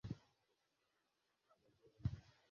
abagore